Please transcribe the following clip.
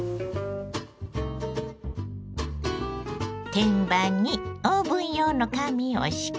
天板にオーブン用の紙を敷き